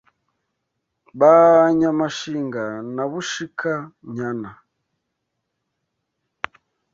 Ba Nyamashinga na Bushika-nyana